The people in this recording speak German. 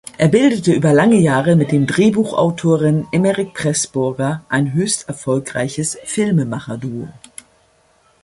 Er bildete über lange Jahre mit dem Drehbuchautoren Emeric Pressburger ein höchst erfolgreiches Filmemacher-Duo.